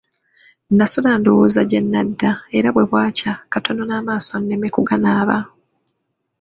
Nnasula ndowooza gye ndaga era bwe bwakya katono n'amaaso nneme kuganaaba.